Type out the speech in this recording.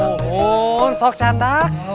oh sok cantik